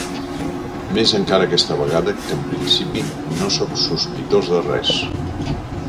Més encara aquesta vegada, que en principi no soc sospitós de res.